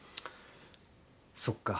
そっか。